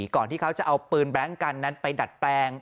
ก่อนที่เขาจะเอาปืนแบล็งกันนั้นไปดัดแปลง